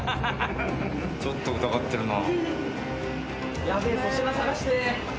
ちょっと疑ってるな。